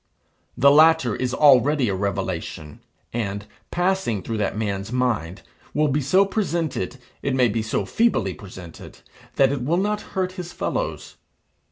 The latter is already a revelation; and, passing through that man's mind, will be so presented, it may be so feebly presented, that it will not hurt his fellows.